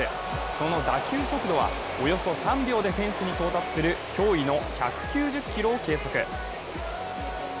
その打球速度は、およそ３秒でフェンスに到達する驚異の１９０キロを計測。